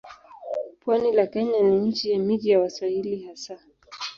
Pwani la Kenya ni nchi ya miji ya Waswahili hasa.